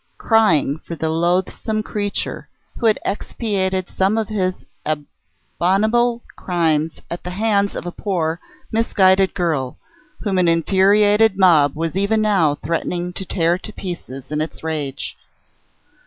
crying for the loathsome creature, who had expiated some of his abominable crimes at the hands of a poor, misguided girl, whom an infuriated mob was even now threatening to tear to pieces in its rage.